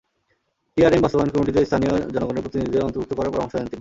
TRM বাস্তবায়ন কমিটিতে স্থানীয় জনগণের প্রতিনিধিদের অন্তর্ভুক্ত করার পরামর্শ দেন তিনি।